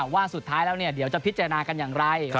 ว่าสุดท้ายแล้วเดี๋ยวจะพิจารณากันอย่างไร